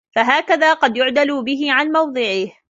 فَهَكَذَا قَدْ يُعْدَلُ بِهِ عَنْ مَوْضِعِهِ